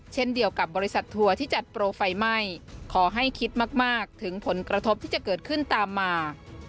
เช่นเดียวกับบริษัททัวร์ที่จัดโปรไฟไหม้ขอให้คิดมากถึงผลกระทบที่จะเกิดขึ้นตามมา